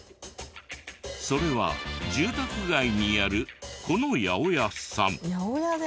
それは住宅街にあるこの八百屋さん。